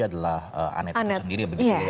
adalah anet itu sendiri